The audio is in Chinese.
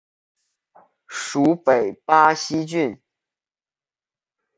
属北巴西郡。